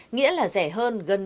nghĩa là rẻ hơn gần ba mươi đồng